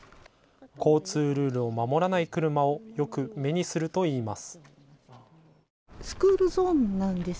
交通ルールを守らない車をよく目にするといいます。